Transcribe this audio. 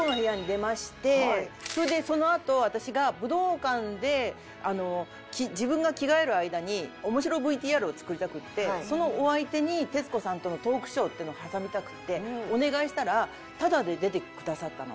それでそのあと私が武道館で自分が着替える間に面白ＶＴＲを作りたくてそのお相手に徹子さんとのトークショーっていうのを挟みたくてお願いしたらタダで出てくださったの。